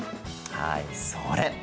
はいそれ！